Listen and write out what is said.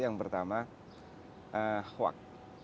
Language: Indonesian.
yang pertama wak